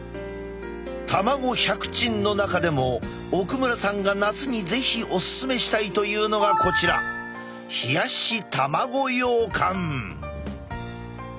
卵百珍の中でも奥村さんが夏に是非おすすめしたいというのがこちら冷やし卵羊羹。